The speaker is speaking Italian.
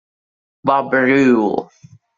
Bob Rule